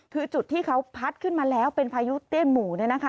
คือจุดที่เขาพัดขึ้นมาแล้วเป็นพายุเตี้ยนหมู่